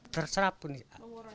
terserap pun ya